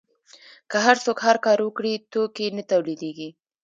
که هر څوک هر کار وکړي توکي نه تولیدیږي.